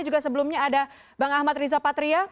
dan juga sebelumnya ada bang ahmad rizapatria